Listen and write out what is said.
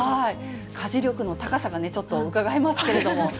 家事力の高さがちょっとうかがえますけれども。